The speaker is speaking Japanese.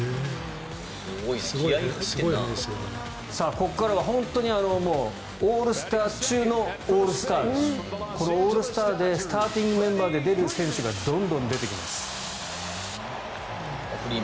ここからは本当にオールスター中のオールスターこのオールスターでスターティングメンバーで出る選手がどんどん出てきます。